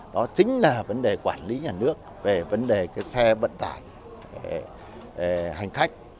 đó chính là vấn đề quản lý nhà nước về vấn đề xe vận tải hành khách